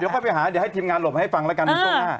เดี๋ยวก็ไปหาเดี๋ยวให้ทีมงานหลบให้ฟังแล้วกันคุณผู้ชม